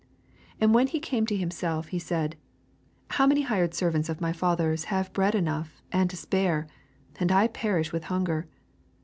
17 And when he came to himself, he said, How many hired servants of my father^s have bread enough and to spare, and 1 perish with hunger